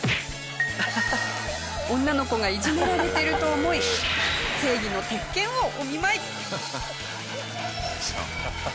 女の子がいじめられてると思い正義の鉄拳をお見舞い。